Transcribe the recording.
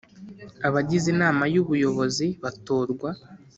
Abagize Inama y ubuyobozi batorwa